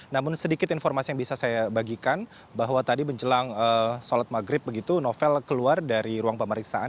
namun sedikit informasi yang bisa saya bagikan bahwa tadi menjelang sholat maghrib begitu novel keluar dari ruang pemeriksaan